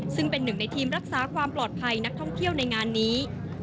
ซึ่งเป็นหนึ่งในทีมรักษาความปลอดภัยนักท่องเที่ยวในงานนี้